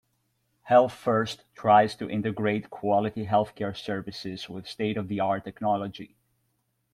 Health First tries to integrate quality healthcare services with state-of-the-art technology.